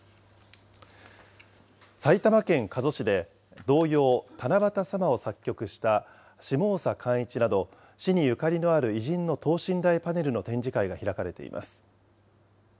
埼玉県加須市で、童謡、たなばたさまを作曲した下總皖一など、市にゆかりのある偉人の等身大パネルの展示会が開かれています。